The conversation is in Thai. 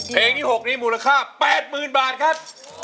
เพลงที่๖นี้มูลค่า๘๐๐๐บาทครับ